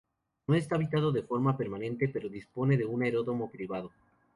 No está habitado de forma permanente, pero dispone de un aeródromo privado.